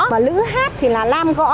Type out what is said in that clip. và lữ hát thì là làm gõ